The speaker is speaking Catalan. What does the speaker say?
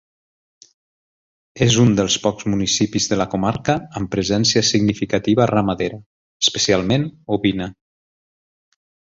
És un dels pocs municipis de la comarca amb presència significativa ramadera, especialment ovina.